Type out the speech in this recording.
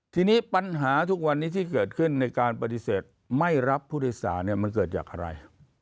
ทีนี้ปัญหาทุกวันนี้ที่เกิดขึ้นในการปฏิเสธไม่รับผู้โดยสารมันเกิดจากอะไร